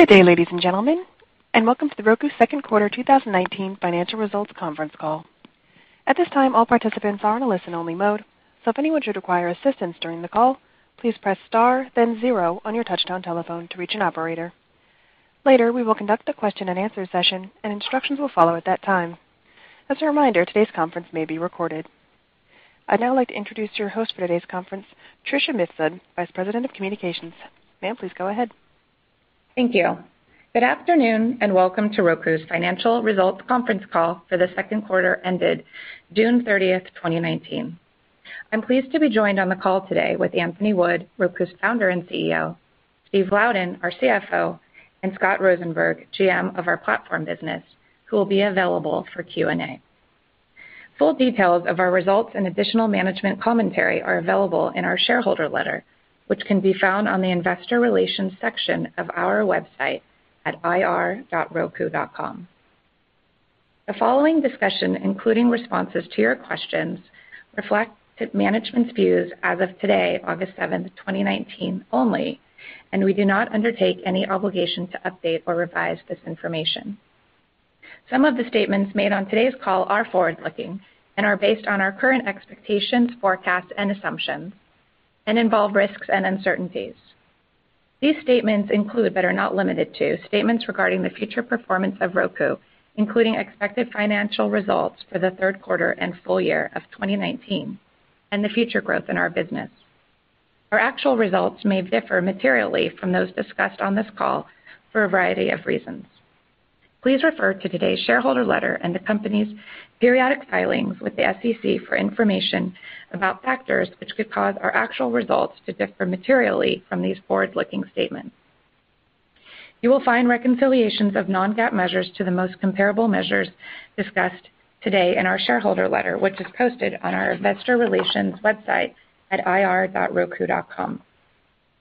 Good day, ladies and gentlemen, and welcome to Roku Second Quarter 2019 Financial Results Conference Call. At this time, all participants are in a listen-only mode. If anyone should require assistance during the call, please press star then zero on your touchtone telephone to reach an operator. Later, we will conduct a question and answer session and instructions will follow at that time. As a reminder, today's conference may be recorded. I'd now like to introduce your host for today's conference, Tricia Mitchell, Vice President of Communications. Ma'am, please go ahead. Thank you. Good afternoon and welcome to Roku's Financial Results Conference Call for the second quarter ended June 30th, 2019. I'm pleased to be joined on the call today with Anthony Wood, Roku's Founder and CEO, Steve Louden, our CFO, and Scott Rosenberg, GM of our Platform Business, who will be available for Q&A. Full details of our results and additional management commentary are available in our shareholder letter, which can be found on the investor relations section of our website at ir.roku.com. The following discussion, including responses to your questions, reflects management's views as of today, August 7th, 2019, only, and we do not undertake any obligation to update or revise this information. Some of the statements made on today's call are forward-looking and are based on our current expectations, forecasts, and assumptions, and involve risks and uncertainties. These statements include but are not limited to, statements regarding the future performance of Roku, including expected financial results for the third quarter and full year of 2019 and the future growth in our business. Our actual results may differ materially from those discussed on this call for a variety of reasons. Please refer to today's shareholder letter and the company's periodic filings with the SEC for information about factors which could cause our actual results to differ materially from these forward-looking statements. You will find reconciliations of non-GAAP measures to the most comparable measures discussed today in our shareholder letter, which is posted on our investor relations website at ir.roku.com.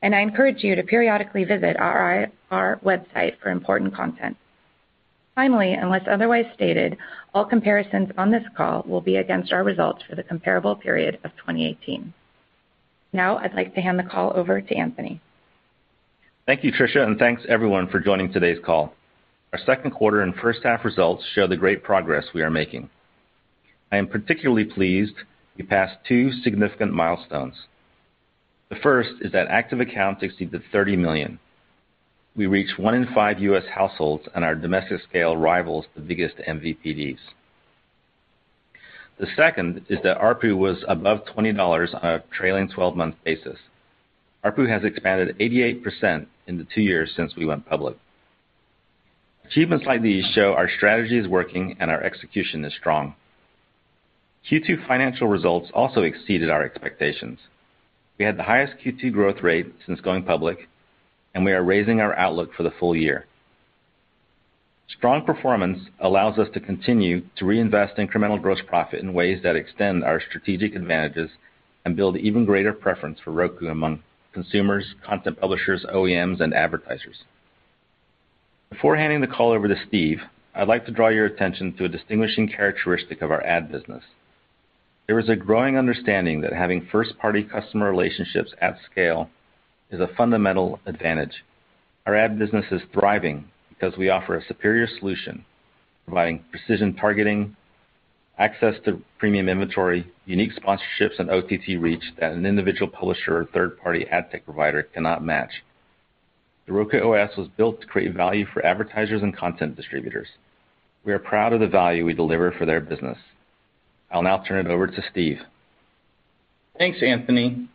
I encourage you to periodically visit our IR website for important content. Finally, unless otherwise stated, all comparisons on this call will be against our results for the comparable period of 2018. Now, I'd like to hand the call over to Anthony. Thank you, Tricia, and thanks, everyone, for joining today's call. Our second quarter and first half results show the great progress we are making. I am particularly pleased we passed two significant milestones. The first is that active accounts exceeded 30 million. We reached one in five U.S. households, and our domestic scale rivals the biggest MVPDs. The second is that ARPU was above $20 on a trailing 12-month basis. ARPU has expanded 88% in the two years since we went public. Achievements like these show our strategy is working and our execution is strong. Q2 financial results also exceeded our expectations. We had the highest Q2 growth rate since going public, and we are raising our outlook for the full year. Strong performance allows us to continue to reinvest incremental gross profit in ways that extend our strategic advantages and build even greater preference for Roku among consumers, content publishers, OEMs, and advertisers. Before handing the call over to Steve, I'd like to draw your attention to a distinguishing characteristic of our ad business. There is a growing understanding that having first-party customer relationships at scale is a fundamental advantage. Our ad business is thriving because we offer a superior solution providing precision targeting, access to premium inventory, unique sponsorships, and OTT reach that an individual publisher or third-party ad tech provider cannot match. The Roku OS was built to create value for advertisers and content distributors. We are proud of the value we deliver for their business. I'll now turn it over to Steve. Thanks, Anthony.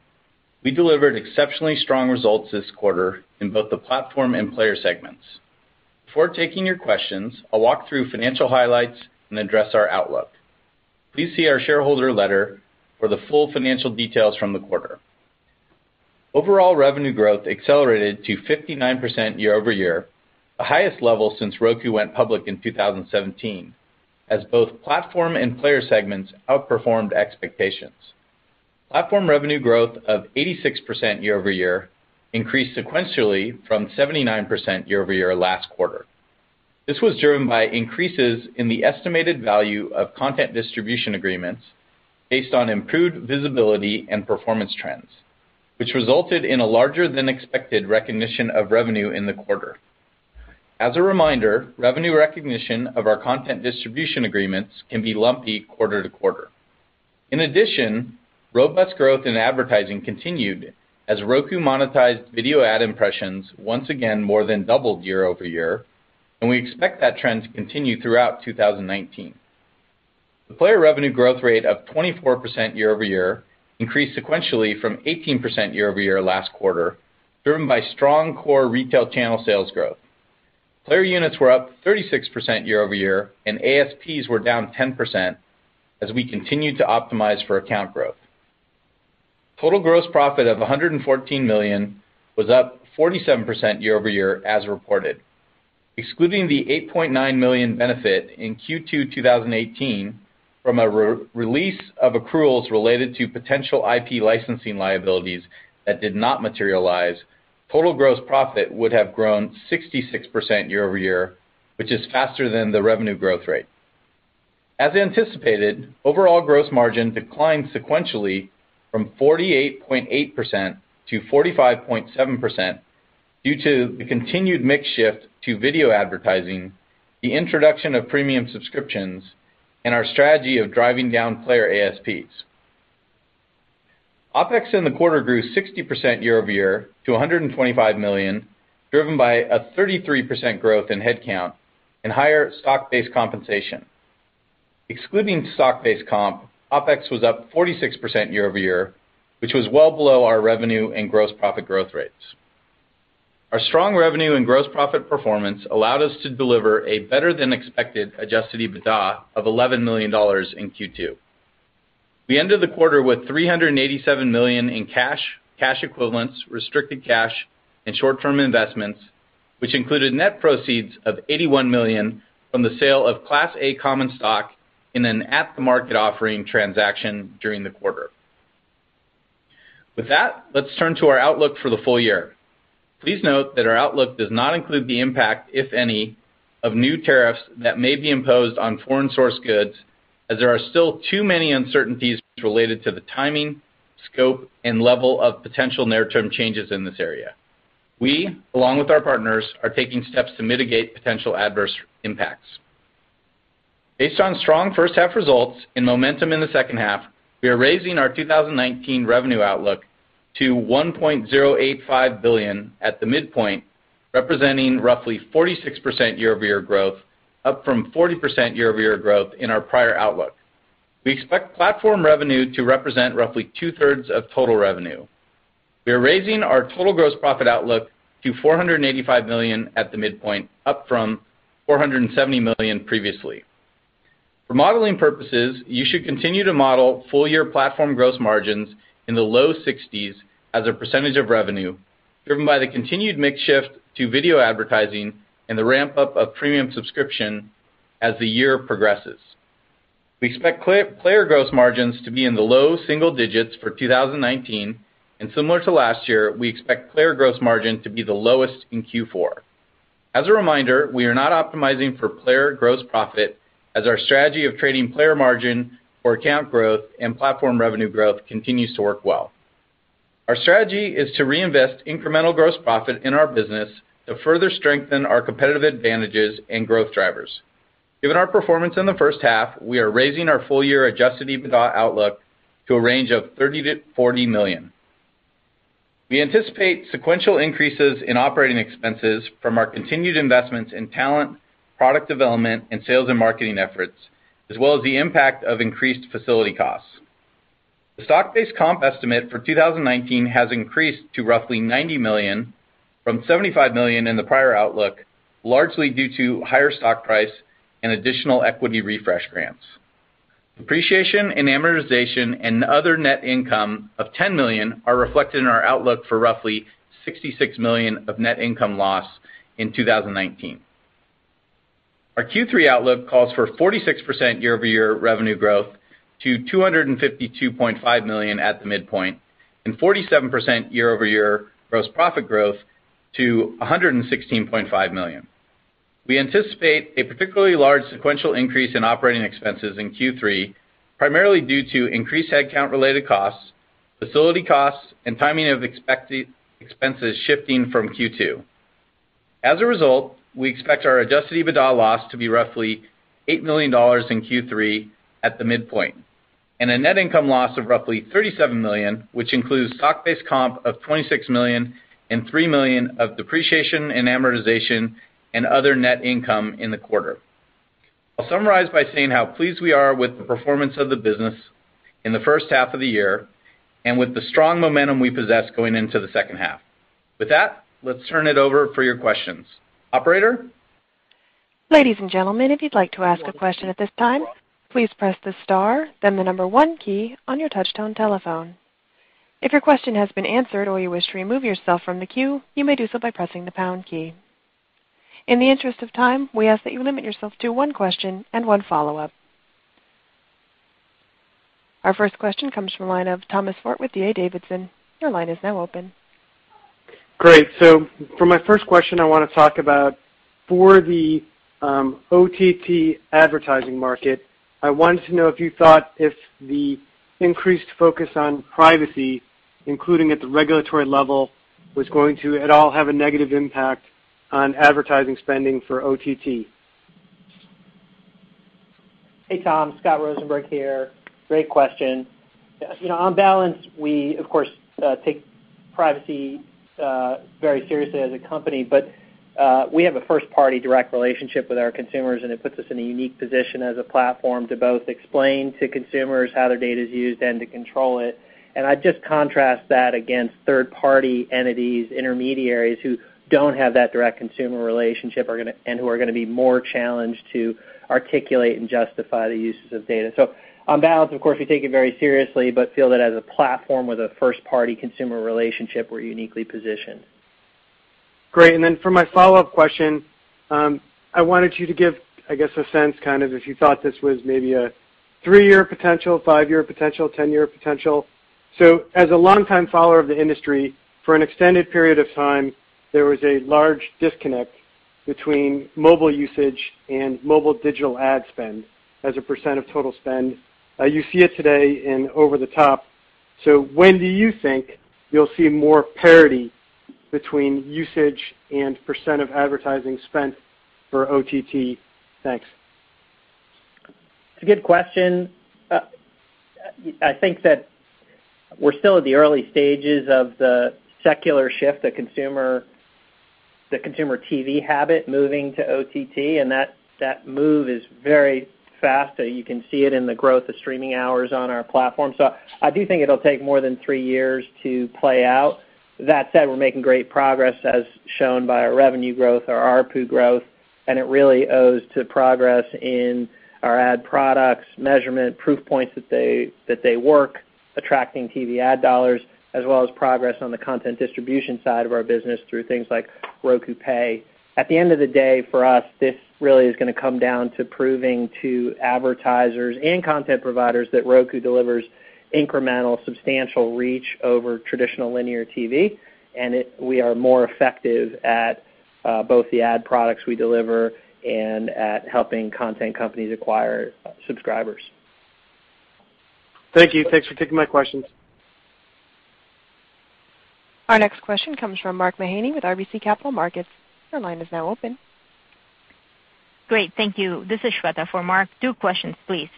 We delivered exceptionally strong results this quarter in both the platform and player segments. Before taking your questions, I'll walk through financial highlights and address our outlook. Please see our shareholder letter for the full financial details from the quarter. Overall revenue growth accelerated to 59% year-over-year, the highest level since Roku went public in 2017, as both platform and player segments outperformed expectations. Platform revenue growth of 86% year-over-year increased sequentially from 79% year-over-year last quarter. This was driven by increases in the estimated value of content distribution agreements based on improved visibility and performance trends, which resulted in a larger than expected recognition of revenue in the quarter. As a reminder, revenue recognition of our content distribution agreements can be lumpy quarter-to-quarter. In addition, robust growth in advertising continued as Roku monetized video ad impressions once again more than doubled year-over-year, and we expect that trend to continue throughout 2019. The player revenue growth rate of 24% year-over-year increased sequentially from 18% year-over-year last quarter, driven by strong core retail channel sales growth. Player units were up 36% year-over-year, and ASPs were down 10% as we continued to optimize for account growth. Total gross profit of $114 million was up 47% year-over-year as reported. Excluding the $8.9 million benefit in Q2 2018 from a release of accruals related to potential IP licensing liabilities that did not materialize, total gross profit would have grown 66% year-over-year, which is faster than the revenue growth rate. As anticipated, overall gross margin declined sequentially from 48.8% to 45.7% due to the continued mix shift to video advertising, the introduction of premium subscriptions, and our strategy of driving down player ASPs. OpEx in the quarter grew 60% year-over-year to $125 million, driven by a 33% growth in headcount and higher stock-based compensation. Excluding stock-based comp, OpEx was up 46% year-over-year, which was well below our revenue and gross profit growth rates. Our strong revenue and gross profit performance allowed us to deliver a better than expected adjusted EBITDA of $11 million in Q2. We ended the quarter with $387 million in cash equivalents, restricted cash, and short-term investments, which included net proceeds of $81 million from the sale of Class A common stock in an at-the-market offering transaction during the quarter. With that, let's turn to our outlook for the full year. Please note that our outlook does not include the impact, if any, of new tariffs that may be imposed on foreign source goods, as there are still too many uncertainties related to the timing, scope, and level of potential near-term changes in this area. We, along with our partners, are taking steps to mitigate potential adverse impacts. Based on strong first half results and momentum in the second half, we are raising our 2019 revenue outlook to $1.085 billion at the midpoint, representing roughly 46% year-over-year growth, up from 40% year-over-year growth in our prior outlook. We expect Platform revenue to represent roughly two-thirds of total revenue. We are raising our total gross profit outlook to $485 million at the midpoint, up from $470 million previously. For modeling purposes, you should continue to model full year Platform gross margins in the low 60s as a percentage of revenue, driven by the continued mix shift to video advertising and the ramp-up of premium subscription as the year progresses. We expect player gross margins to be in the low single digits for 2019, and similar to last year, we expect player gross margin to be the lowest in Q4. As a reminder, we are not optimizing for player gross profit as our strategy of trading player margin for account growth and Platform revenue growth continues to work well. Our strategy is to reinvest incremental gross profit in our business to further strengthen our competitive advantages and growth drivers. Given our performance in the first half, we are raising our full-year adjusted EBITDA outlook to a range of $30 million-$40 million. We anticipate sequential increases in operating expenses from our continued investments in talent, product development, and sales and marketing efforts, as well as the impact of increased facility costs. The stock-based comp estimate for 2019 has increased to roughly $90 million from $75 million in the prior outlook, largely due to higher stock price and additional equity refresh grants. Depreciation and amortization and other net income of $10 million are reflected in our outlook for roughly $66 million of net income loss in 2019. Our Q3 outlook calls for 46% year-over-year revenue growth to $252.5 million at the midpoint and 47% year-over-year gross profit growth to $116.5 million. We anticipate a particularly large sequential increase in operating expenses in Q3, primarily due to increased headcount related costs, facility costs, and timing of expenses shifting from Q2. As a result, we expect our adjusted EBITDA loss to be roughly $8 million in Q3 at the midpoint, and a net income loss of roughly $37 million, which includes stock-based comp of $26 million and $3 million of depreciation and amortization and other net income in the quarter. I'll summarize by saying how pleased we are with the performance of the business in the first half of the year and with the strong momentum we possess going into the second half. With that, let's turn it over for your questions. Operator? Ladies and gentlemen, if you'd like to ask a question at this time, please press the star, then the number one key on your touchtone telephone. If your question has been answered or you wish to remove yourself from the queue, you may do so by pressing the pound key. In the interest of time, we ask that you limit yourself to one question and one follow-up. Our first question comes from the line of Tom Forte with D.A. Davidson. Your line is now open. Great. For my first question, I want to talk about for the OTT advertising market. I wanted to know if you thought if the increased focus on privacy, including at the regulatory level, was going to at all have a negative impact on advertising spending for OTT. Hey, Tom. Scott Rosenberg here. Great question. On balance, we of course take privacy very seriously as a company, but we have a first-party direct relationship with our consumers, and it puts us in a unique position as a platform to both explain to consumers how their data is used and to control it. I'd just contrast that against third-party entities, intermediaries who don't have that direct consumer relationship and who are going to be more challenged to articulate and justify the uses of data. On balance, of course, we take it very seriously, but feel that as a platform with a first-party consumer relationship, we're uniquely positioned. Great. For my follow-up question, I wanted you to give, I guess, a sense if you thought this was maybe a three-year potential, five-year potential, 10-year potential. As a longtime follower of the industry, for an extended period of time, there was a large disconnect between mobile usage and mobile digital ad spend as a % of total spend. You see it today in over the top. When do you think you'll see more parity between usage and % of advertising spend for OTT? Thanks. It's a good question. I think that we're still at the early stages of the secular shift, the consumer TV habit moving to OTT. That move is very fast. You can see it in the growth of streaming hours on our platform. I do think it'll take more than three years to play out. That said, we're making great progress, as shown by our revenue growth, our ARPU growth. It really owes to progress in our ad products, measurement, proof points that they work, attracting TV ad dollars, as well as progress on the content distribution side of our business through things like Roku Pay. At the end of the day, for us, this really is going to come down to proving to advertisers and content providers that Roku delivers incremental, substantial reach over traditional linear TV, and we are more effective at both the ad products we deliver and at helping content companies acquire subscribers. Thank you. Thanks for taking my questions. Our next question comes from Mark Mahaney with RBC Capital Markets. Your line is now open. Great, thank you. This is Shweta for Mark. Two questions, please.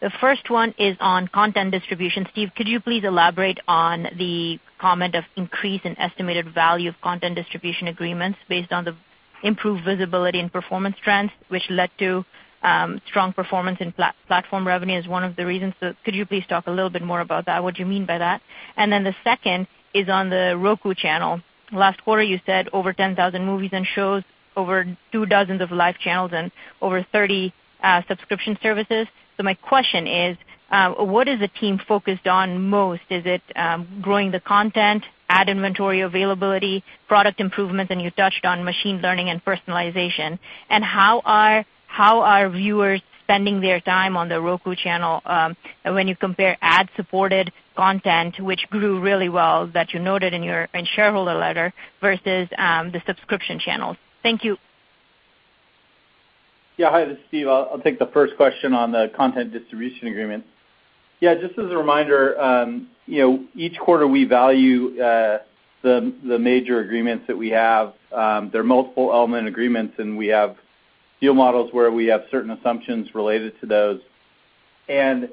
The first one is on content distribution. Steve, could you please elaborate on the comment of increase in estimated value of content distribution agreements based on the improved visibility and performance trends, which led to strong performance in platform revenue as one of the reasons? Could you please talk a little bit more about that, what you mean by that? The second is on The Roku Channel. Last quarter, you said over 10,000 movies and shows, over two dozens of live channels, and over 30 subscription services. My question is, what is the team focused on most? Is it growing the content, ad inventory availability, product improvements, and you touched on machine learning and personalization. How are viewers spending their time on The Roku Channel when you compare ad-supported content, which grew really well, that you noted in shareholder letter, versus the subscription channels? Thank you. Hi, this is Steve. I'll take the first question on the content distribution agreement. Just as a reminder, each quarter, we value the major agreements that we have. They're multiple element agreements. We have deal models where we have certain assumptions related to those. We're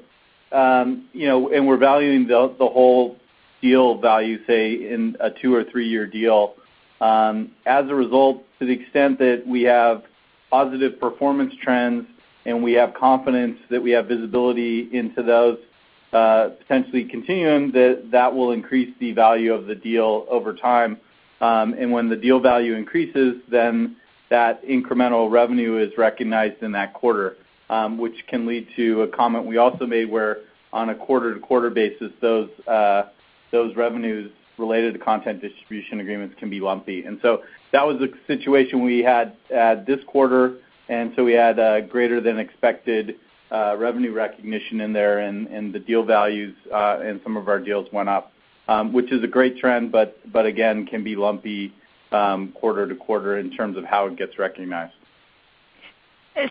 valuing the whole deal value, say, in a two or three-year deal. As a result, to the extent that we have positive performance trends and we have confidence that we have visibility into those potentially continuing, that will increase the value of the deal over time. When the deal value increases, then that incremental revenue is recognized in that quarter, which can lead to a comment we also made where on a quarter-to-quarter basis, those revenues related to content distribution agreements can be lumpy. That was the situation we had this quarter, and so we had a greater than expected revenue recognition in there and the deal values in some of our deals went up, which is a great trend, but again, can be lumpy quarter to quarter in terms of how it gets recognized.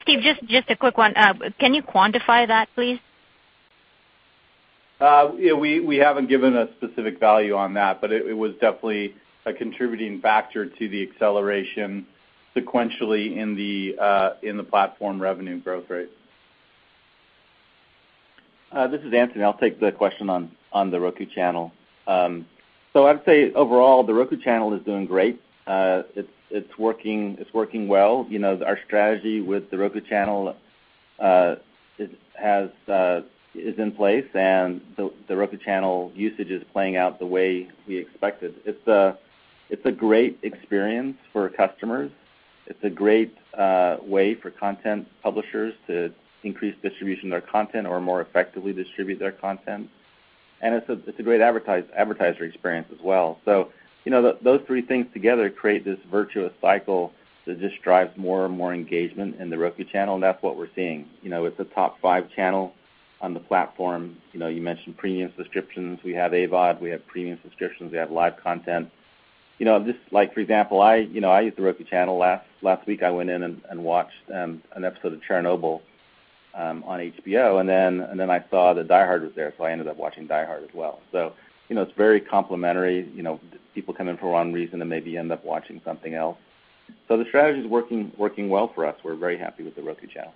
Steve, just a quick one. Can you quantify that, please? Yeah, we haven't given a specific value on that, but it was definitely a contributing factor to the acceleration sequentially in the platform revenue growth rate. This is Anthony. I'll take the question on The Roku Channel. I'd say overall, The Roku Channel is doing great. It's working well. Our strategy with The Roku Channel is in place, and The Roku Channel usage is playing out the way we expected. It's a great experience for customers. It's a great way for content publishers to increase distribution of their content or more effectively distribute their content. It's a great advertiser experience as well. Those three things together create this virtuous cycle that just drives more and more engagement in The Roku Channel, and that's what we're seeing. It's a top five channel on the platform. You mentioned premium subscriptions. We have AVOD, we have premium subscriptions, we have live content. Just like for example, I used The Roku Channel last week. I went in and watched an episode of "Chernobyl" on HBO, and then I saw that "Die Hard" was there, so I ended up watching "Die Hard" as well. It's very complimentary. People come in for one reason and maybe end up watching something else. The strategy's working well for us. We're very happy with The Roku Channel.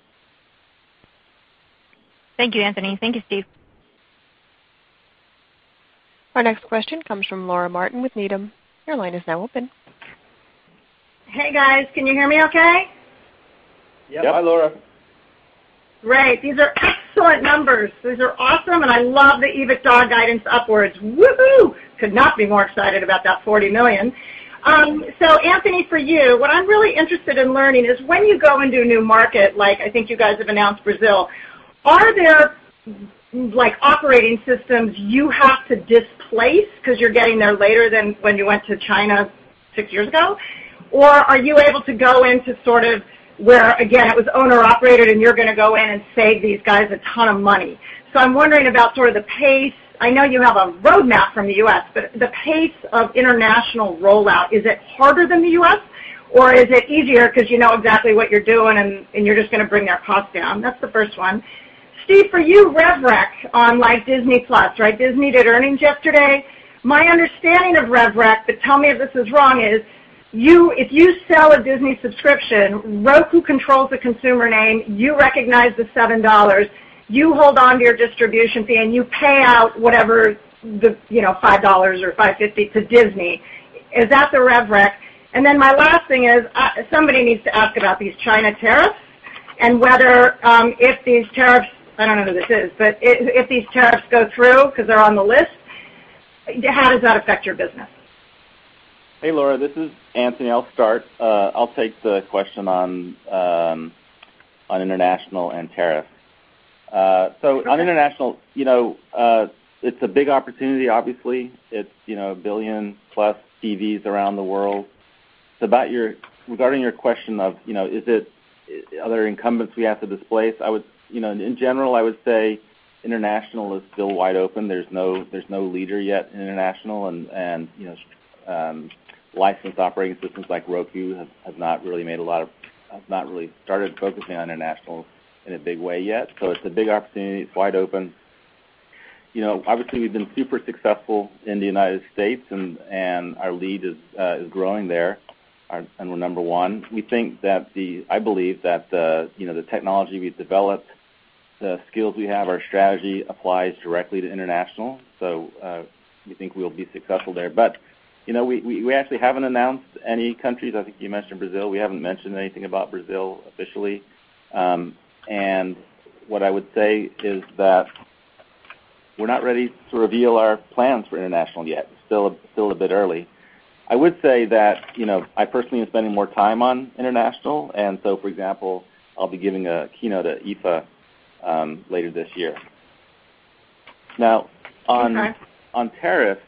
Thank you, Anthony. Thank you, Steve. Our next question comes from Laura Martin with Needham. Your line is now open. Hey, guys. Can you hear me okay? Yep. Hi, Laura. Great. These are excellent numbers. Those are awesome, and I love the EBITDA guidance upwards. Woo-hoo. Could not be more excited about that $40 million. Anthony, for you, what I'm really interested in learning is when you go into a new market, like I think you guys have announced Brazil, are there operating systems you have to displace because you're getting there later than when you went to China six years ago? Are you able to go into sort of where, again, it was owner-operated and you're going to go in and save these guys a ton of money. I'm wondering about sort of the pace. I know you have a roadmap from the U.S., but the pace of international rollout, is it harder than the U.S. or is it easier because you know exactly what you're doing and you're just going to bring their costs down? That's the first one. Steve, for you, rev rec on Disney+, right? Disney did earnings yesterday. My understanding of rev rec, but tell me if this is wrong, is if you sell a Disney subscription, Roku controls the consumer name, you recognize the $7, you hold onto your distribution fee, and you pay out whatever, the $5 or $5.50 to Disney. Is that the rev rec? My last thing is, somebody needs to ask about these China tariffs and whether if these tariffs, I don't know who this is, but if these tariffs go through because they're on the list, how does that affect your business? Hey, Laura. This is Anthony. I'll start. I'll take the question on international and tariffs. Okay. On international, it's a big opportunity, obviously. It's a 1 billion-plus TVs around the world. Regarding your question of, is it other incumbents we have to displace? In general, I would say international is still wide open. There's no leader yet in international, and license operating systems like Roku have not really started focusing on international in a big way yet. It's a big opportunity. It's wide open. Obviously, we've been super successful in the U.S., and our lead is growing there, and we're number 1. I believe that the technology we've developed, the skills we have, our strategy applies directly to international. We think we'll be successful there. But we actually haven't announced any countries. I think you mentioned Brazil. We haven't mentioned anything about Brazil officially. What I would say is that we're not ready to reveal our plans for international yet. Still a bit early. I would say that I personally am spending more time on international, and so for example, I'll be giving a keynote at IFA later this year. Okay. On tariffs.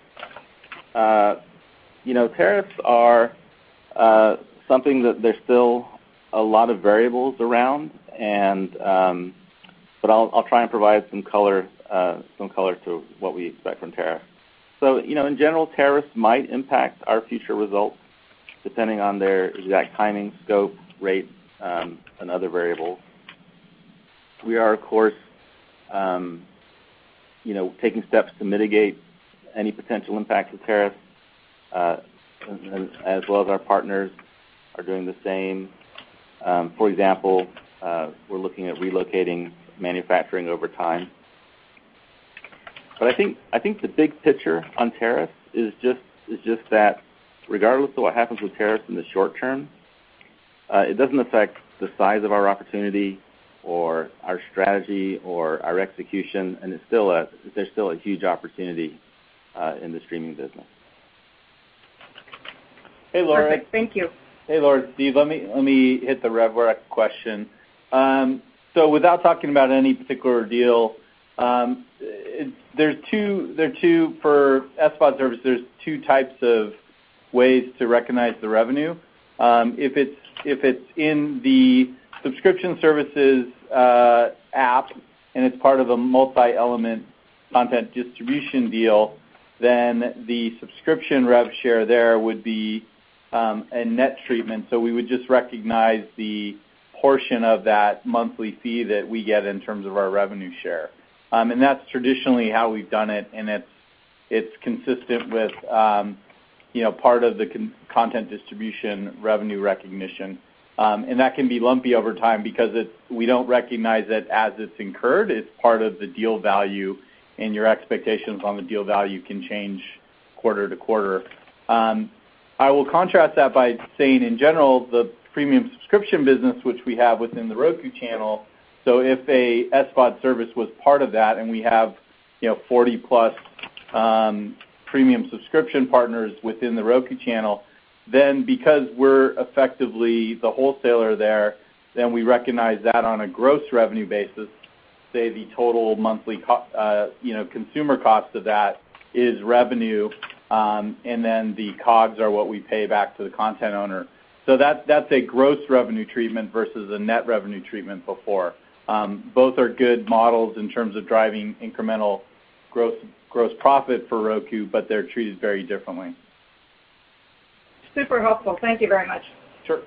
Tariffs are something that there's still a lot of variables around, but I'll try and provide some color to what we expect from tariffs. In general, tariffs might impact our future results depending on their exact timing, scope, rate, and other variables. We are, of course, taking steps to mitigate any potential impact of tariffs, as well as our partners are doing the same. For example, we're looking at relocating manufacturing over time. I think the big picture on tariffs is just that regardless of what happens with tariffs in the short term, it doesn't affect the size of our opportunity or our strategy or our execution, and there's still a huge opportunity in the streaming business. Perfect. Thank you. Hey, Laura. Steve, let me hit the rev rec question. Without talking about any particular deal, for SVOD service, there's 2 types of ways to recognize the revenue. If it's in the subscription services app and it's part of a multi-element content distribution deal, the subscription rev share there would be a net treatment. We would just recognize the portion of that monthly fee that we get in terms of our revenue share. That's traditionally how we've done it, and it's consistent with part of the content distribution revenue recognition. That can be lumpy over time because we don't recognize it as it's incurred. It's part of the deal value, and your expectations on the deal value can change quarter to quarter. I will contrast that by saying, in general, the premium subscription business which we have within The Roku Channel, so if a SVOD service was part of that and we have 40-plus premium subscription partners within The Roku Channel, then because we're effectively the wholesaler there, then we recognize that on a gross revenue basis, say the total monthly consumer cost of that is revenue, and then the COGS are what we pay back to the content owner. That's a gross revenue treatment versus a net revenue treatment before. Both are good models in terms of driving incremental gross profit for Roku, but they're treated very differently. Super helpful. Thank you very much. Sure.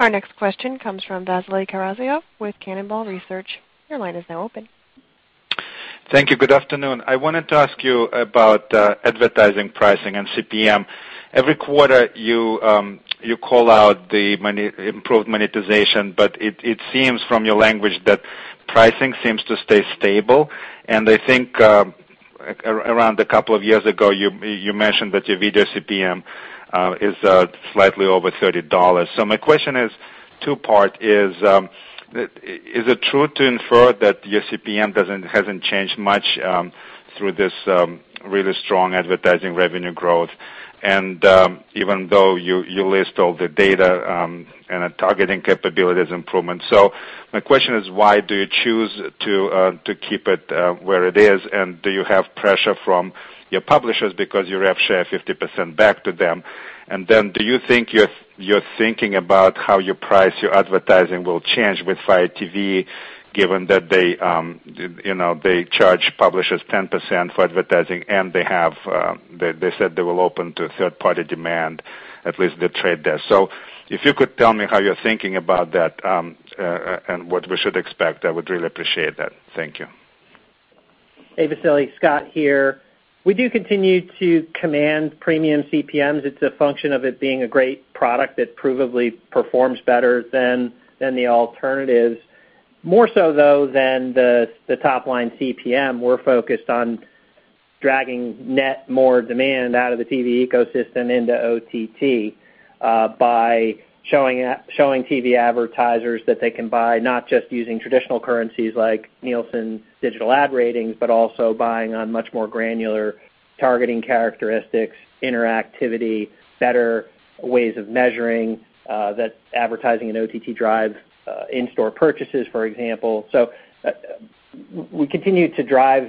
Our next question comes from Vasily Karasyov with Cannonball Research. Your line is now open. Thank you. Good afternoon. I wanted to ask you about advertising pricing and CPM. Every quarter, you call out the improved monetization, but it seems from your language that pricing seems to stay stable. I think around a couple of years ago, you mentioned that your video CPM is slightly over $30. My question is two-part. Is it true to infer that your CPM hasn't changed much through this really strong advertising revenue growth, and even though you list all the data and the targeting capabilities improvement? My question is, why do you choose to keep it where it is, and do you have pressure from your publishers because you rev share 50% back to them? Then do you think you're thinking about how your price, your advertising will change with Fire TV, given that they charge publishers 10% for advertising, and they said they will open to third-party demand, at least The Trade Desk. If you could tell me how you're thinking about that, and what we should expect, I would really appreciate that. Thank you. Hey, Vasily. Scott here. We do continue to command premium CPMs. It's a function of it being a great product that provably performs better than the alternatives. More so though than the top line CPM, we're focused on dragging net more demand out of the TV ecosystem into OTT, by showing TV advertisers that they can buy not just using traditional currencies like Nielsen Digital Ad Ratings, but also buying on much more granular targeting characteristics, interactivity, better ways of measuring that advertising in OTT drive in-store purchases, for example. We continue to drive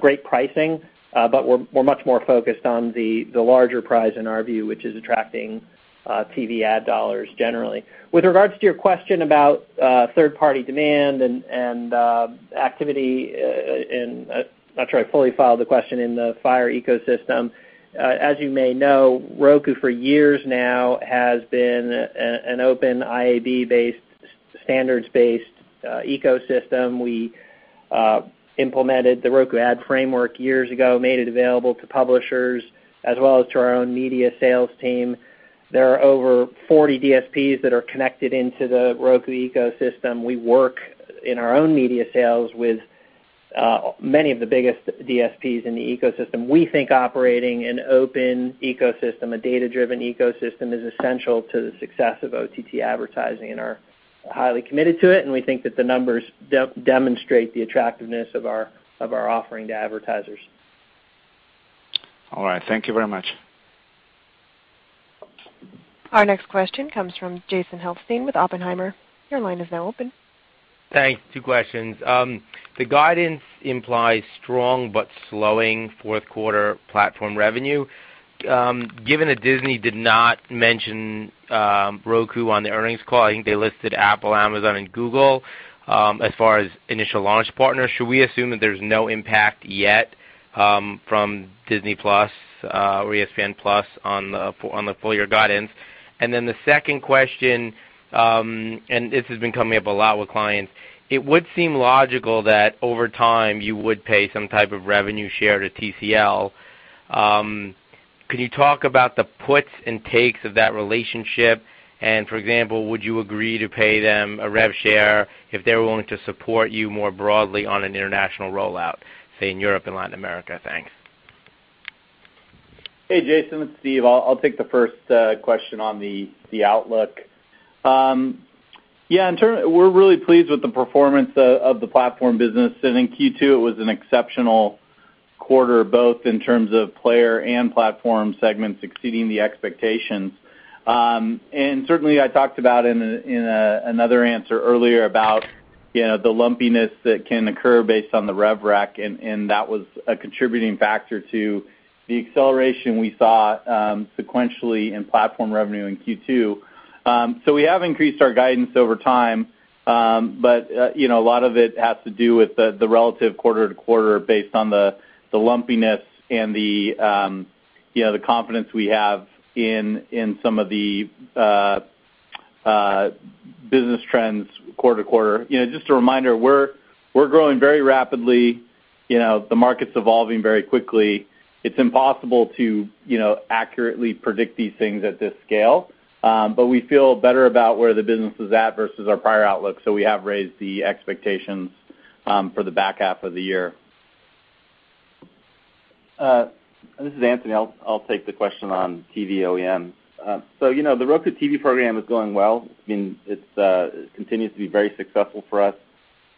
great pricing, but we're much more focused on the larger prize in our view, which is attracting TV ad dollars generally. With regards to your question about third-party demand and activity. I'm not sure I fully followed the question in the Fire ecosystem. As you may know, Roku for years now has been an open IAB-based, standards-based ecosystem. We implemented the Roku Advertising Framework years ago, made it available to publishers as well as to our own media sales team. There are over 40 DSPs that are connected into the Roku ecosystem. We work in our own media sales with many of the biggest DSPs in the ecosystem. We think operating an open ecosystem, a data-driven ecosystem, is essential to the success of OTT advertising and are highly committed to it, and we think that the numbers demonstrate the attractiveness of our offering to advertisers. All right. Thank you very much. Our next question comes from Jason Helfstein with Oppenheimer. Your line is now open. Thanks. Two questions. The guidance implies strong but slowing fourth quarter platform revenue. Given that Disney did not mention Roku on the earnings call, I think they listed Apple, Amazon, and Google, as far as initial launch partners, should we assume that there's no impact yet from Disney+, or ESPN+ on the full year guidance? The second question, and this has been coming up a lot with clients. It would seem logical that over time you would pay some type of revenue share to TCL. Can you talk about the puts and takes of that relationship? For example, would you agree to pay them a rev share if they're willing to support you more broadly on an international rollout, say in Europe and Latin America? Thanks. Hey, Jason, it's Steve. I'll take the first question on the outlook. Yeah, we're really pleased with the performance of the Platform Business. I think Q2 it was an exceptional quarter, both in terms of Player and Platform segments exceeding the expectations. Certainly I talked about in another answer earlier about the lumpiness that can occur based on the rev rec, and that was a contributing factor to the acceleration we saw sequentially in Platform revenue in Q2. We have increased our guidance over time. A lot of it has to do with the relative quarter-to-quarter based on the lumpiness and the confidence we have in some of the business trends quarter-to-quarter. Just a reminder, we're growing very rapidly. The market's evolving very quickly. It's impossible to accurately predict these things at this scale. We feel better about where the business is at versus our prior outlook, so we have raised the expectations for the back half of the year. This is Anthony. I'll take the question on TV OEM. The Roku TV program is going well. It continues to be very successful for us.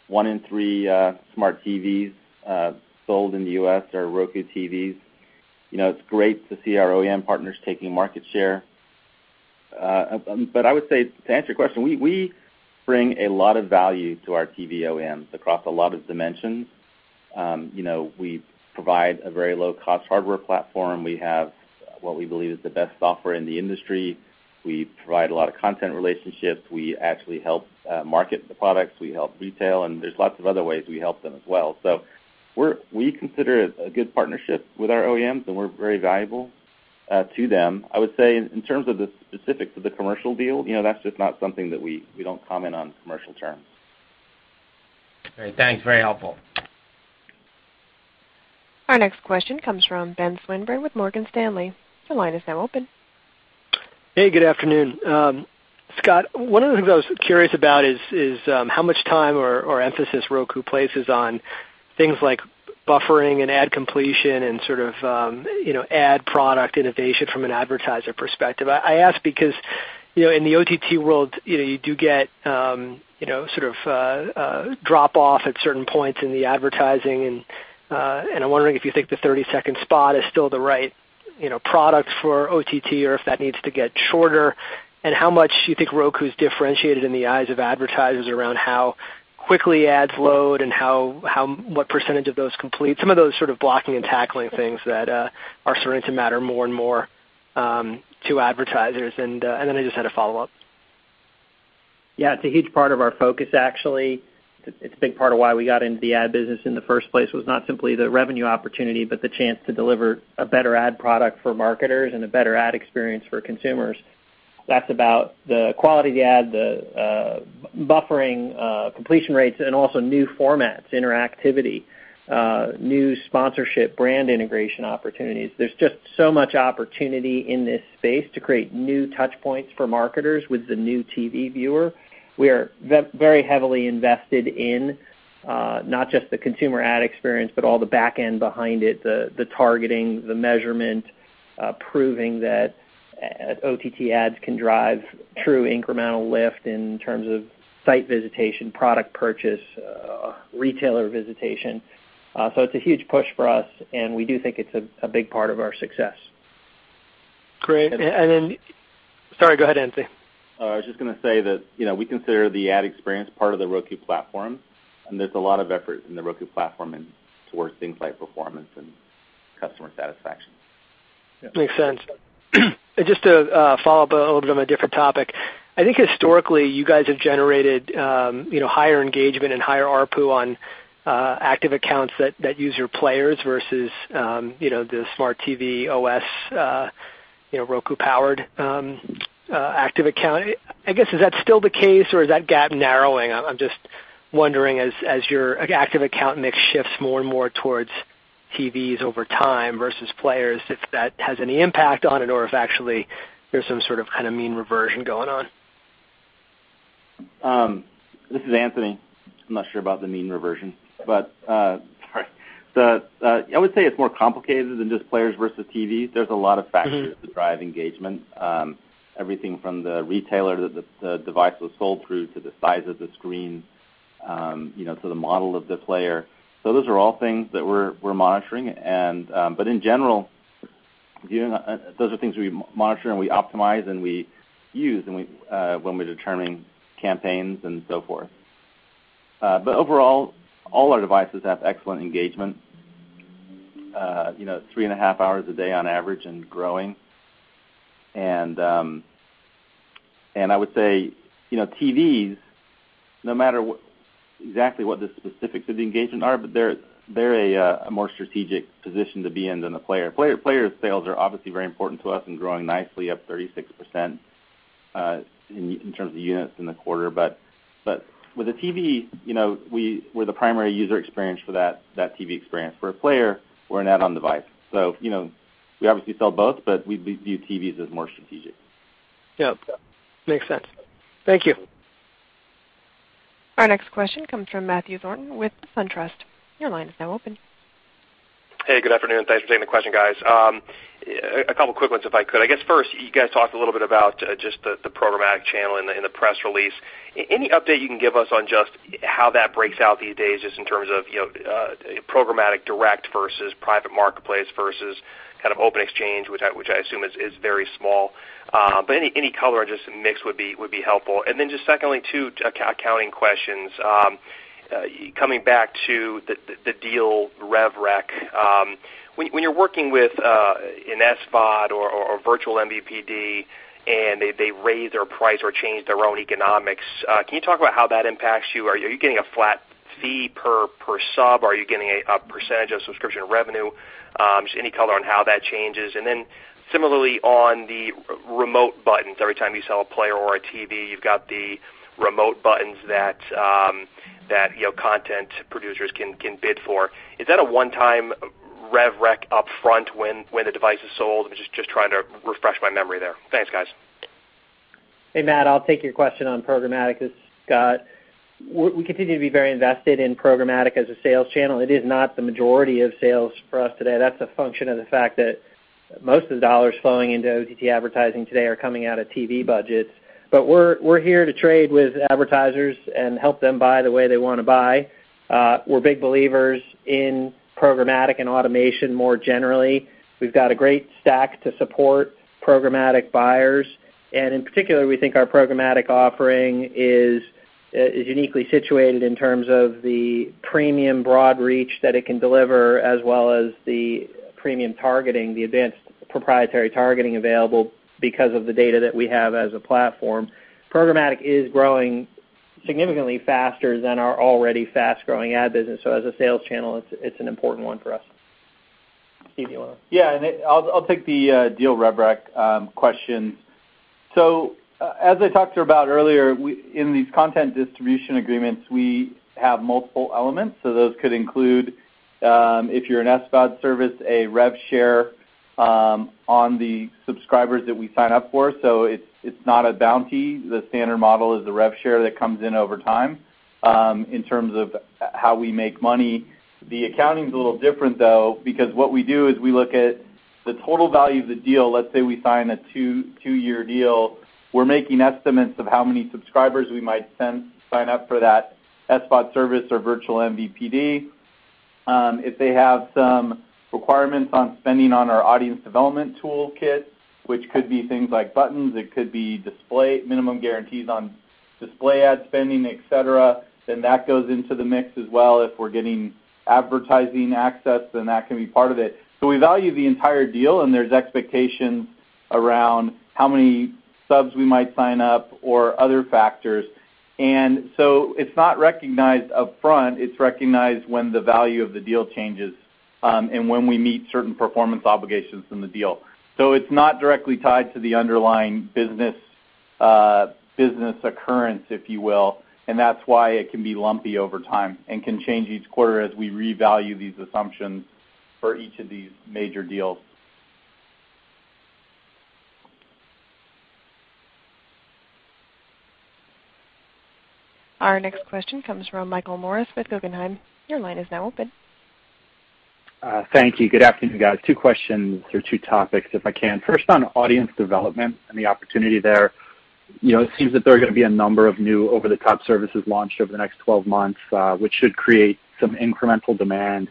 One in three smart TVs sold in the U.S. are Roku TVs. It's great to see our OEM partners taking market share. I would say to answer your question, we bring a lot of value to our TV OEMs across a lot of dimensions. We provide a very low-cost hardware platform. We have what we believe is the best software in the industry. We provide a lot of content relationships. We actually help market the products. We help retail, and there's lots of other ways we help them as well. We consider it a good partnership with our OEMs, and we're very valuable to them. I would say in terms of the specifics of the commercial deal, that's just not something that we don't comment on commercial terms. Great. Thanks. Very helpful. Our next question comes from Benjamin Swinburne with Morgan Stanley. Your line is now open. Hey, good afternoon. Scott, one of the things I was curious about is how much time or emphasis Roku places on things like buffering and ad completion and sort of ad product innovation from an advertiser perspective. I ask because in the OTT world, you do get sort of drop-off at certain points in the advertising, and I'm wondering if you think the 30-second spot is still the right product for OTT or if that needs to get shorter. How much you think Roku's differentiated in the eyes of advertisers around how quickly ads load and what % of those complete, some of those sort of blocking and tackling things that are starting to matter more and more to advertisers. Then I just had a follow-up. Yeah. It's a huge part of our focus actually. It's a big part of why we got into the ad business in the first place, was not simply the revenue opportunity, but the chance to deliver a better ad product for marketers and a better ad experience for consumers. That's about the quality of the ad, the buffering, completion rates, and also new formats, interactivity, new sponsorship, brand integration opportunities. There's just so much opportunity in this space to create new touch points for marketers with the new TV viewer. We are very heavily invested in not just the consumer ad experience, but all the back end behind it, the targeting, the measurement, proving that OTT ads can drive true incremental lift in terms of site visitation, product purchase, retailer visitation. It's a huge push for us, and we do think it's a big part of our success. Great. Sorry, go ahead, Anthony. I was just going to say that we consider the ad experience part of the Roku platform, and there's a lot of effort in the Roku platform towards things like performance and customer satisfaction. Makes sense. Just to follow up a little bit on a different topic, I think historically you guys have generated higher engagement and higher ARPU on active accounts that use your players versus the smart TV OS Roku-powered active account. I guess, is that still the case or is that gap narrowing? I'm just wondering, as your active account mix shifts more and more towards TVs over time versus players, if that has any impact on it or if actually there's some sort of mean reversion going on. This is Anthony. I'm not sure about the mean reversion. Sorry. I would say it's more complicated than just players versus TVs. There's a lot of factors that drive engagement. Everything from the retailer that the device was sold through to the size of the screen to the model of the player. Those are all things that we're monitoring. In general, those are things we monitor, and we optimize, and we use when we're determining campaigns and so forth. Overall, all our devices have excellent engagement. Three and a half hours a day on average and growing. I would say, TVs, no matter exactly what the specifics of the engagement are, but they're a more strategic position to be in than a player. Player sales are obviously very important to us and growing nicely up 36% in terms of units in the quarter. With a TV, we're the primary user experience for that TV experience. For a player, we're an add-on device. We obviously sell both, but we view TVs as more strategic. Yep. Makes sense. Thank you. Our next question comes from Matthew Thornton with SunTrust. Your line is now open. Hey, good afternoon. Thanks for taking the question, guys. A couple quick ones if I could. I guess first, you guys talked a little bit about just the programmatic channel in the press release. Any update you can give us on just how that breaks out these days, just in terms of programmatic direct versus private marketplace versus kind of open exchange, which I assume is very small? Any color or just mix would be helpful. Just secondly, two accounting questions. Coming back to the deal rev rec. When you're working with an SVOD or virtual MVPD and they raise their price or change their own economics, can you talk about how that impacts you? Are you getting a flat fee per sub? Are you getting a percentage of subscription revenue? Just any color on how that changes. Similarly on the remote buttons. Every time you sell a player or a TV, you've got the remote buttons that content producers can bid for. Is that a one-time rev rec upfront when the device is sold? I'm just trying to refresh my memory there. Thanks, guys. Hey, Matt, I'll take your question on programmatic. This is Scott. We continue to be very invested in programmatic as a sales channel. It is not the majority of sales for us today. That's a function of the fact that most of the dollars flowing into OTT advertising today are coming out of TV budgets. We're here to trade with advertisers and help them buy the way they want to buy. We're big believers in programmatic and automation more generally. We've got a great stack to support programmatic buyers. In particular, we think our programmatic offering is uniquely situated in terms of the premium broad reach that it can deliver, as well as the premium targeting, the advanced proprietary targeting available because of the data that we have as a platform. Programmatic is growing significantly faster than our already fast-growing ad business. As a sales channel, it's an important one for us. Steve, you want to? I'll take the deal rev rec question. As I talked to her about earlier, in these content distribution agreements, we have multiple elements. Those could include, if you're an SVOD service, a rev share on the subscribers that we sign up for. It's not a bounty. The standard model is a rev share that comes in over time. In terms of how we make money, the accounting's a little different, though, because what we do is we look at the total value of the deal. Let's say we sign a 2-year deal. We're making estimates of how many subscribers we might sign up for that SVOD service or virtual MVPD. If they have some requirements on spending on our audience development toolkit, which could be things like buttons, it could be display minimum guarantees on display ad spending, et cetera, then that goes into the mix as well. If we're getting advertising access, then that can be part of it. We value the entire deal, and there's expectations around how many subs we might sign up or other factors. It's not recognized upfront, it's recognized when the value of the deal changes, and when we meet certain performance obligations in the deal. It's not directly tied to the underlying business occurrence, if you will, and that's why it can be lumpy over time and can change each quarter as we revalue these assumptions for each of these major deals. Our next question comes from Michael Morris with Guggenheim. Your line is now open. Thank you. Good afternoon, guys. Two questions or two topics, if I can. First, on audience development and the opportunity there. It seems that there are going to be a number of new over-the-top services launched over the next 12 months, which should create some incremental demand.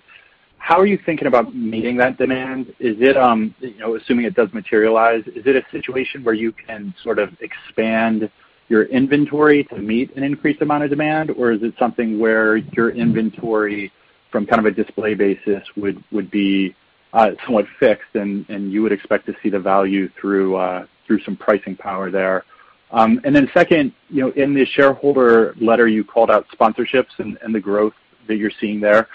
How are you thinking about meeting that demand? Assuming it does materialize, is it a situation where you can sort of expand your inventory to meet an increased amount of demand, or is it something where your inventory from kind of a display basis would be somewhat fixed and you would expect to see the value through some pricing power there? Second, in the shareholder letter, you called out sponsorships and the growth that you're seeing there.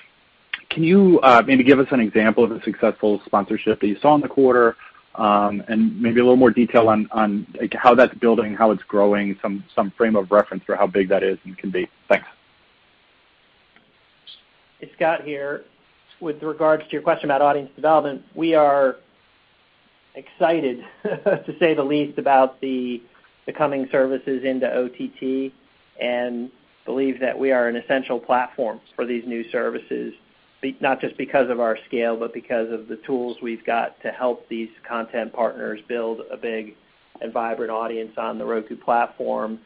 Can you maybe give us an example of a successful sponsorship that you saw in the quarter? Maybe a little more detail on how that's building, how it's growing, some frame of reference for how big that is and can be. Thanks. It's Scott here. With regards to your question about audience development, we are excited to say the least, about the coming services into OTT, and believe that we are an essential platform for these new services. Not just because of our scale, but because of the tools we've got to help these content partners build a big and vibrant audience on the Roku platform.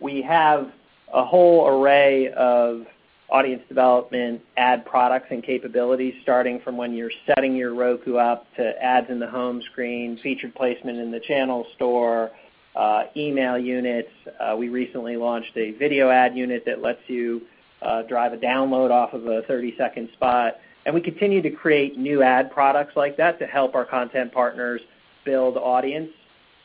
We have a whole array of audience development ad products and capabilities, starting from when you're setting your Roku up to ads in the home screen, featured placement in the channel store, email units. We recently launched a video ad unit that lets you drive a download off of a 30-second spot. We continue to create new ad products like that to help our content partners build audience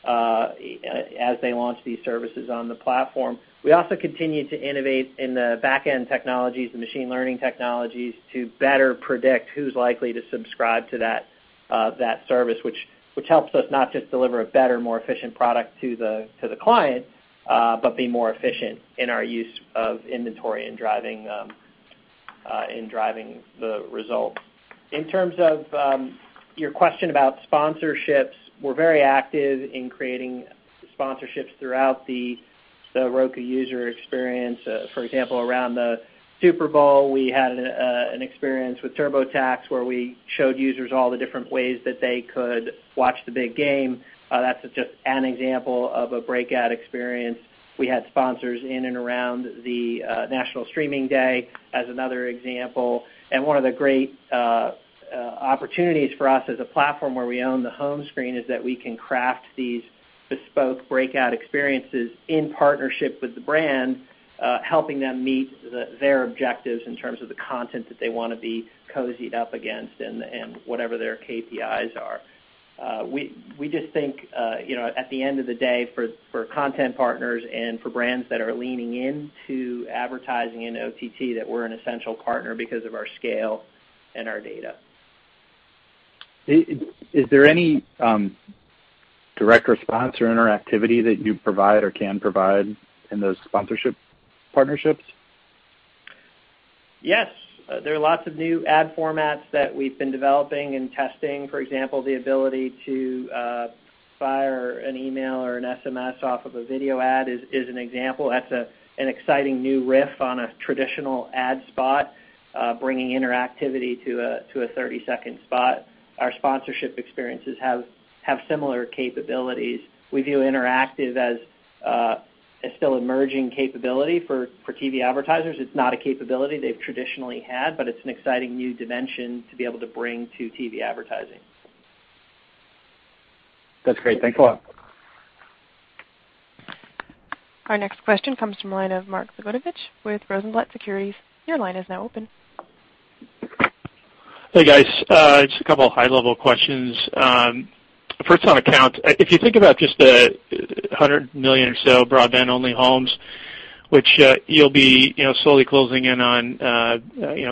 as they launch these services on the platform. We also continue to innovate in the back-end technologies and machine learning technologies to better predict who's likely to subscribe to that service, which helps us not just deliver a better, more efficient product to the client, but be more efficient in our use of inventory in driving the results. In terms of your question about sponsorships, we're very active in creating sponsorships throughout the Roku user experience. For example, around the Super Bowl, we had an experience with TurboTax where we showed users all the different ways that they could watch the big game. That's just an example of a breakout experience. We had sponsors in and around the National Streaming Day as another example. One of the great opportunities for us as a platform where we own the home screen is that we can craft these bespoke breakout experiences in partnership with the brand, helping them meet their objectives in terms of the content that they want to be cozied up against and whatever their KPIs are. We just think, at the end of the day, for content partners and for brands that are leaning into advertising in OTT, that we're an essential partner because of our scale and our data. Is there any direct response or interactivity that you provide or can provide in those sponsorship partnerships? Yes. There are lots of new ad formats that we've been developing and testing. For example, the ability to fire an email or an SMS off of a video ad is an example. That's an exciting new riff on a traditional ad spot, bringing interactivity to a 30-second spot. Our sponsorship experiences have similar capabilities. We view interactive as a still-emerging capability for TV advertisers. It's not a capability they've traditionally had, but it's an exciting new dimension to be able to bring to TV advertising. That's great. Thanks a lot. Our next question comes from the line of Mark Zgutowicz with Rosenblatt Securities. Your line is now open. Hey, guys. Just a couple of high-level questions. First, on accounts. If you think about just the 100 million or so broadband-only homes, which you'll be slowly closing in on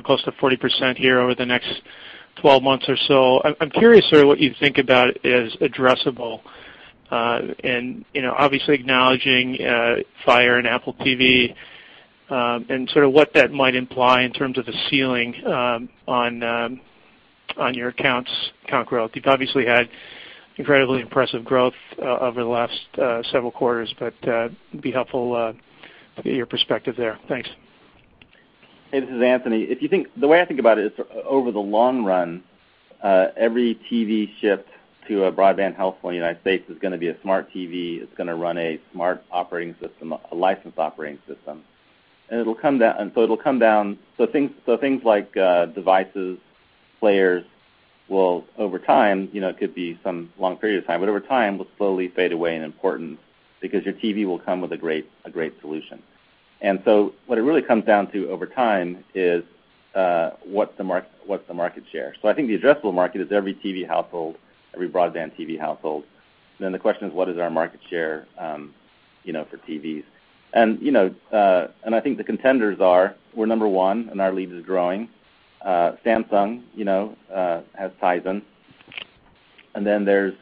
close to 40% here over the next 12 months or so. I'm curious sort of what you think about as addressable, and obviously acknowledging Fire and Apple TV, and sort of what that might imply in terms of the ceiling on your accounts, count growth. You've obviously had incredibly impressive growth over the last several quarters, but it'd be helpful to get your perspective there. Thanks. Hey, this is Anthony. The way I think about it is, over the long run Every TV shipped to a broadband household in the United States is going to be a smart TV. It's going to run a smart operating system, a licensed operating system. Things like devices, players will, over time, it could be some long period of time, but over time, will slowly fade away in importance because your TV will come with a great solution. What it really comes down to over time is, what's the market share? I think the addressable market is every TV household, every broadband TV household. The question is, what is our market share for TVs? I think the contenders are, we're number one, and our lead is growing. Samsung has Tizen, and then there's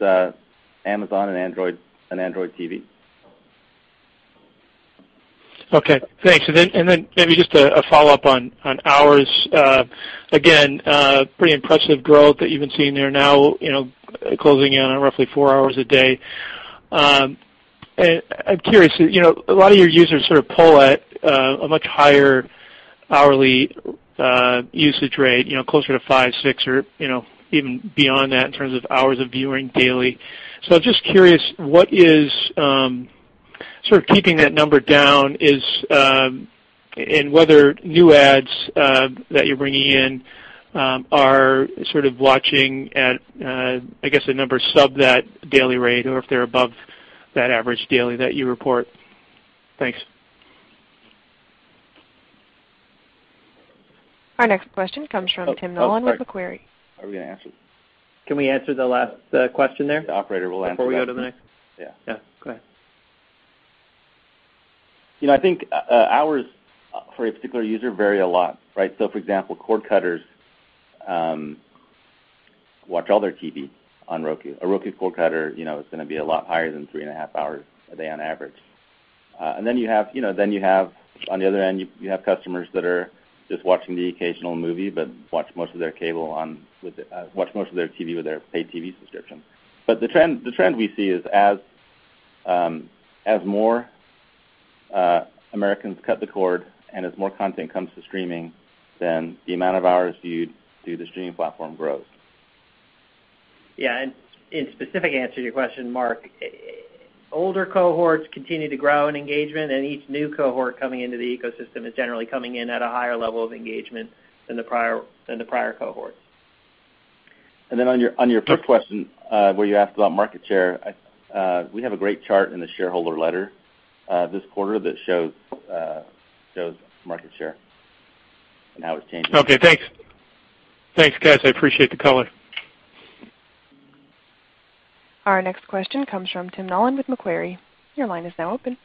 Amazon and Android TV. Okay, thanks. Maybe just a follow-up on hours. Again, pretty impressive growth that you've been seeing there now, closing in on roughly four hours a day. I'm curious, a lot of your users pull at a much higher hourly usage rate, closer to five, six or even beyond that in terms of hours of viewing daily. Just curious, what is sort of keeping that number down is, and whether new ads that you're bringing in are sort of watching at, I guess, the numbers sub that daily rate, or if they're above that average daily that you report. Thanks. Our next question comes from Tim Nollen with Macquarie. Oh, sorry. Are we going to answer? Can we answer the last question there? The operator will answer that one. Before we go to the next? Yeah. Yeah. Go ahead. I think hours for a particular user vary a lot, right? For example, cord cutters watch all their TV on Roku. A Roku cord cutter, it's going to be a lot higher than three and a half hours a day on average. You have, on the other end, you have customers that are just watching the occasional movie, but watch most of their TV with their paid TV subscription. The trend we see is as more Americans cut the cord and as more content comes to streaming, the amount of hours viewed through the streaming platform grows. Yeah, in specific answer to your question, Mark, older cohorts continue to grow in engagement, and each new cohort coming into the ecosystem is generally coming in at a higher level of engagement than the prior cohort. On your first question, where you asked about market share, we have a great chart in the shareholder letter this quarter that shows market share and how it's changing. Okay, thanks. Thanks, guys. I appreciate the color. Our next question comes from Tim Nollen with Macquarie. Your line is now open.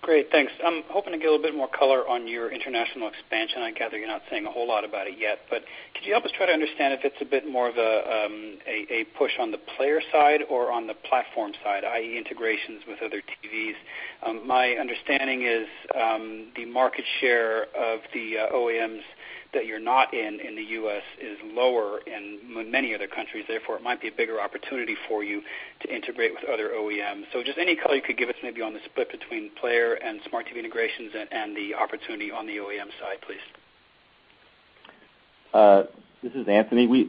Great. Thanks. I'm hoping to get a little bit more color on your international expansion. I gather you're not saying a whole lot about it yet, but could you help us try to understand if it's a bit more of a push on the player side or on the platform side, i.e., integrations with other TVs? My understanding is the market share of the OEMs that you're not in the U.S., is lower in many other countries. It might be a bigger opportunity for you to integrate with other OEMs. Just any color you could give us maybe on the split between player and smart TV integrations and the opportunity on the OEM side, please. This is Anthony. We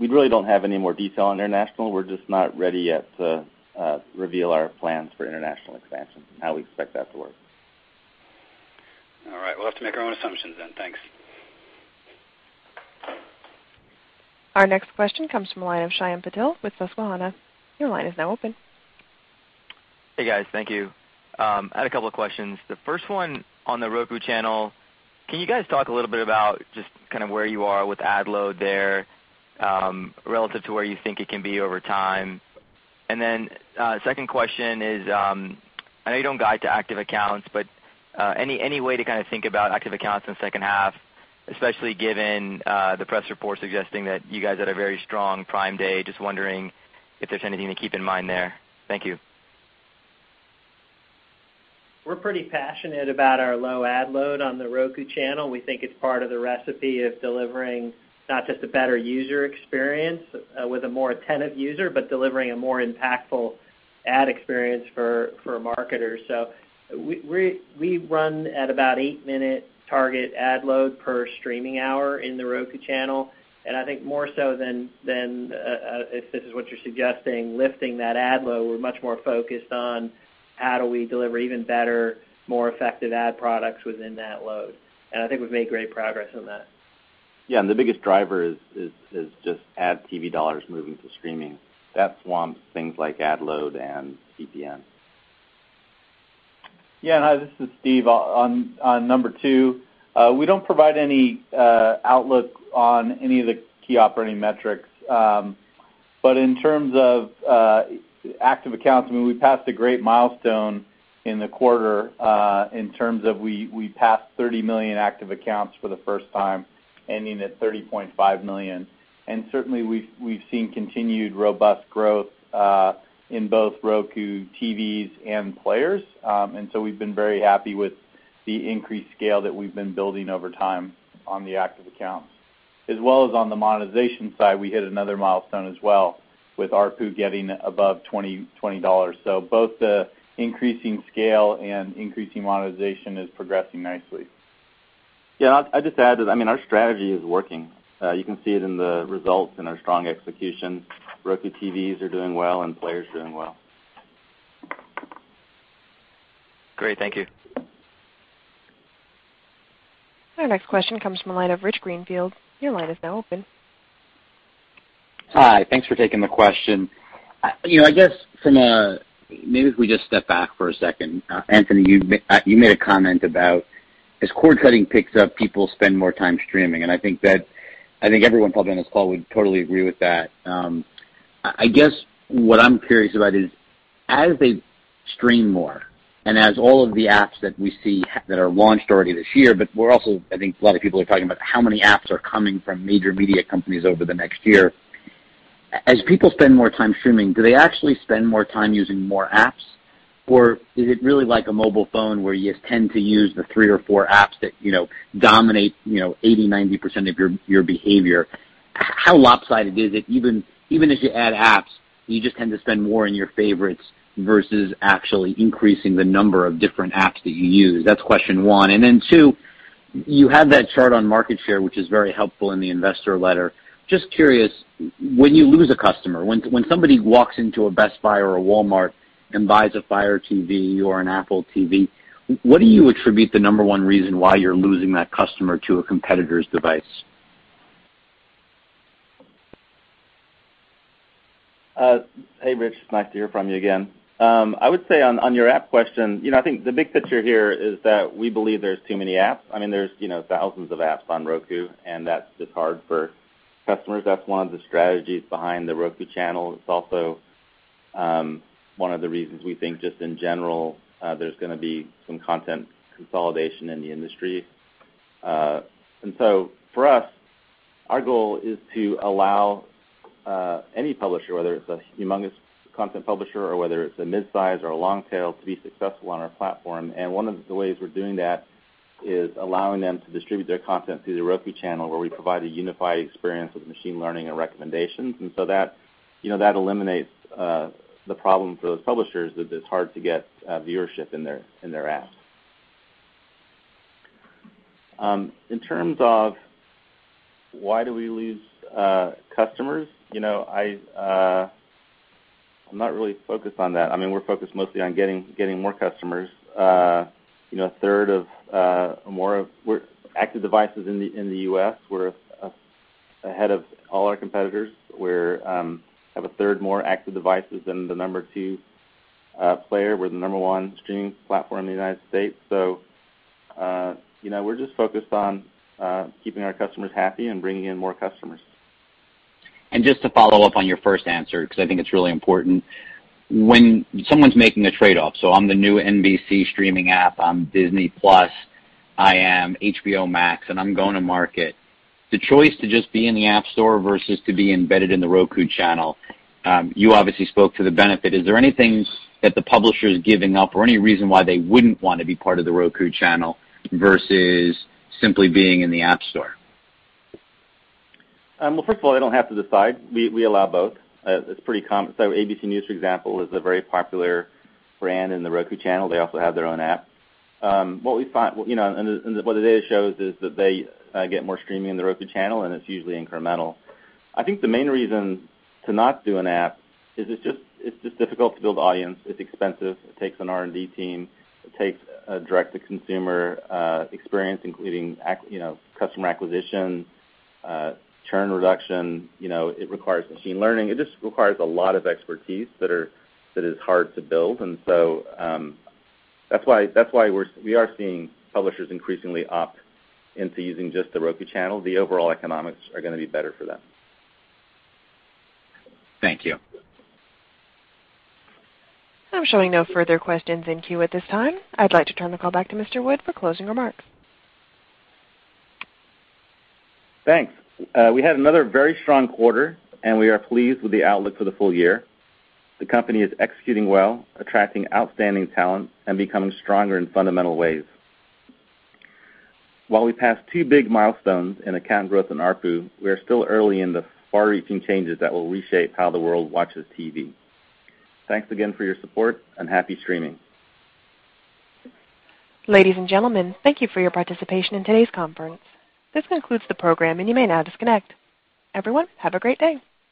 really don't have any more detail on international. We're just not ready yet to reveal our plans for international expansion and how we expect that to work. All right. We'll have to make our own assumptions then. Thanks. Our next question comes from the line of Shyam Patel with Susquehanna. Your line is now open. Hey, guys. Thank you. I had a couple of questions. The first one on The Roku Channel. Can you guys talk a little bit about just kind of where you are with ad load there, relative to where you think it can be over time? Then, second question is, I know you don't guide to active accounts, but any way to kind of think about active accounts in the second half, especially given the press reports suggesting that you guys had a very strong Prime Day? Just wondering if there's anything to keep in mind there. Thank you. We're pretty passionate about our low ad load on The Roku Channel. We run at about 8-minute target ad load per streaming hour in The Roku Channel, and I think more so than, if this is what you're suggesting, lifting that ad load, we're much more focused on how do we deliver even better, more effective ad products within that load. I think we've made great progress on that. Yeah, the biggest driver is just ad TV dollars moving to streaming. That swamps things like ad load and CPM. Yeah. Hi, this is Steve. On number two, we don't provide any outlook on any of the key operating metrics. In terms of active accounts, we passed a great milestone in the quarter in terms of we passed 30 million active accounts for the first time, ending at 30.5 million. Certainly, we've seen continued robust growth in both Roku TVs and players. We've been very happy with the increased scale that we've been building over time on the active accounts. As well as on the monetization side, we hit another milestone as well with ARPU getting above $20. Both the increasing scale and increasing monetization is progressing nicely. Yeah, I'd just add that our strategy is working. You can see it in the results and our strong execution. Roku TVs are doing well and Players doing well. Great. Thank you. Our next question comes from the line of Rich Greenfield. Your line is now open. Hi. Thanks for taking the question. Maybe if we just step back for a second. Anthony, you made a comment about as cord-cutting picks up, people spend more time streaming, and I think everyone probably on this call would totally agree with that. I guess what I'm curious about is, as they stream more and as all of the apps that we see that are launched already this year, but we're also, I think a lot of people are talking about how many apps are coming from major media companies over the next year. As people spend more time streaming, do they actually spend more time using more apps? Is it really like a mobile phone where you tend to use the three or four apps that dominate 80%, 90% of your behavior? How lopsided is it, even as you add apps, you just tend to spend more in your favorites versus actually increasing the number of different apps that you use? That's question one. Then two, you had that chart on market share, which is very helpful in the investor letter. Just curious, when you lose a customer, when somebody walks into a Best Buy or a Walmart and buys a Fire TV or an Apple TV, what do you attribute the number one reason why you're losing that customer to a competitor's device? Hey, Rich. Nice to hear from you again. I would say on your app question, I think the big picture here is that we believe there's too many apps. There's thousands of apps on Roku, and that's just hard for customers. That's one of the strategies behind The Roku Channel. It's also one of the reasons we think just in general, there's going to be some content consolidation in the industry. For us, our goal is to allow any publisher, whether it's a humongous content publisher or whether it's a mid-size or a long tail, to be successful on our platform. One of the ways we're doing that is allowing them to distribute their content through The Roku Channel, where we provide a unified experience with machine learning and recommendations. That eliminates the problem for those publishers, that it's hard to get viewership in their apps. In terms of why do we lose customers, I'm not really focused on that. We're focused mostly on getting more customers. Active devices in the U.S., we're ahead of all our competitors. We have a third more active devices than the number 2 player. We're the number 1 streaming platform in the United States. We're just focused on keeping our customers happy and bringing in more customers. Just to follow up on your first answer, because I think it's really important. When someone's making a trade-off, I'm the new NBC streaming app, I'm Disney+, I am HBO Max, and I'm going to market. The choice to just be in the App Store versus to be embedded in The Roku Channel. You obviously spoke to the benefit. Is there anything that the publisher is giving up or any reason why they wouldn't want to be part of The Roku Channel versus simply being in the App Store? Well, first of all, they don't have to decide. We allow both. It's pretty common. ABC News, for example, is a very popular brand in The Roku Channel. They also have their own app. What the data shows is that they get more streaming in The Roku Channel, and it's usually incremental. I think the main reason to not do an app is it's just difficult to build audience. It's expensive. It takes an R&D team. It takes a direct-to-consumer experience, including customer acquisition, churn reduction. It requires machine learning. It just requires a lot of expertise that is hard to build. That's why we are seeing publishers increasingly opt into using just The Roku Channel. The overall economics are going to be better for them. Thank you. I'm showing no further questions in queue at this time. I'd like to turn the call back to Mr. Wood for closing remarks. Thanks. We had another very strong quarter, and we are pleased with the outlook for the full year. The company is executing well, attracting outstanding talent, and becoming stronger in fundamental ways. While we passed two big milestones in account growth and ARPU, we are still early in the far-reaching changes that will reshape how the world watches TV. Thanks again for your support, and happy streaming. Ladies and gentlemen, thank you for your participation in today's conference. This concludes the program, and you may now disconnect. Everyone, have a great day.